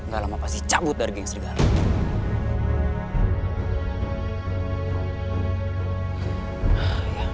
gak lama pasti cabut dari geng serigala